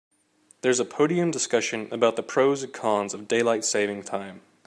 There's a podium discussion about the pros and cons of daylight saving time.